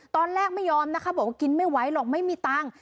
ตอนแรกไม่ยอมนะคะบอกว่ากินไม่ไหวหรอกไม่มีตังค์